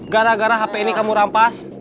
gara gara hp ini kamu rampas